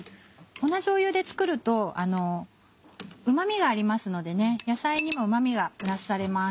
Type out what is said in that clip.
同じ湯で作るとうま味がありますので野菜にもうま味がプラスされます。